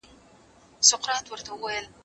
هغه وويل چي درسونه تيارول ضروري دي.